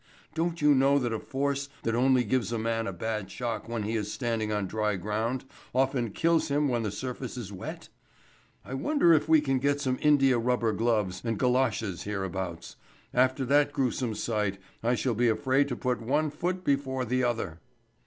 Don't you know that a force that only gives a man a bad shock when he is standing on dry ground often kills him when the surface is wet? I wonder if we can get some indiarubber gloves and galoshes hereabouts. After that gruesome sight, I shall be afraid to put one foot before the other."